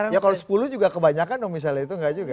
ya kalau sepuluh juga kebanyakan dong misalnya itu enggak juga